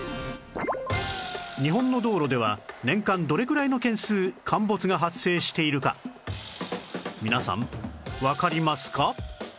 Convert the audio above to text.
日本の道路では年間どれぐらいの件数陥没が発生しているか皆さんわかりますか？